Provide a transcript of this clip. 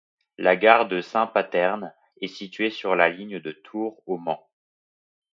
La gare de Saint-Paterne est située sur la ligne de Tours au Mans.